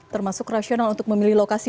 termasuk rasional untuk memilih lokasi